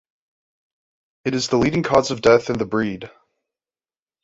It is the leading cause of death in the breed.